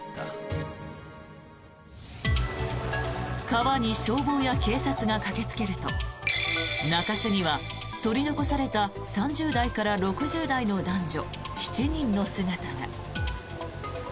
川に消防や警察が駆けつけると中州には、取り残された３０代から６０代の男女７人の姿が。